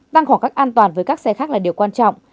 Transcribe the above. tăng khoảng cách an toàn với các xe khác là điều quan trọng